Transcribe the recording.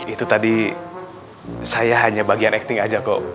itu tadi saya hanya bagian acting aja kok